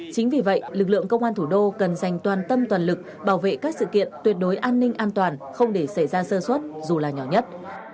chính vì vậy lực lượng công an thủ đô cần dành toàn tâm toàn lực bảo vệ các sự kiện tuyệt đối an ninh an toàn không để xảy ra sơ xuất dù là nhỏ nhất